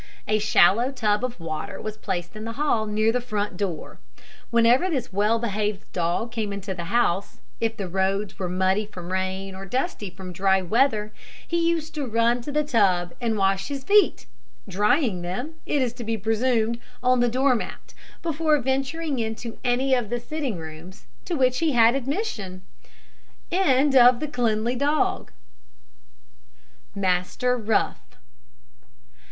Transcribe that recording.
A shallow tub of water was placed in the hall, near the front door. Whenever this well behaved dog came into the house, if the roads were muddy from rain, or dusty from dry weather, he used to run to the tub and wash his feet drying them, it is to be presumed, on the door mat before venturing into any of the sitting rooms to which he had admission. MASTER ROUGH.